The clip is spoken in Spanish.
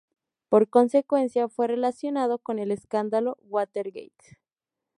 Por consecuencia, fue relacionado con el Escándalo Watergate.